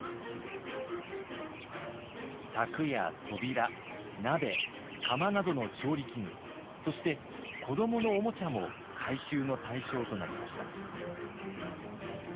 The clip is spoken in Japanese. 柵や扉鍋釜などの調理器具そして子どものおもちゃも回収の対象となりました。